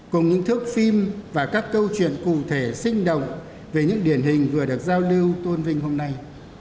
cùng những thước phim và các câu chuyện cụ thể sinh động về những điển hình vừa được giao lưu tôn vinh hôm nay